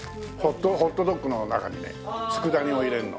ホットドッグの中にね佃煮を入れるの。